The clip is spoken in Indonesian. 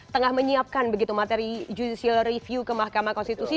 tengah menyiapkan begitu materi judicial review ke mahkamah konstitusi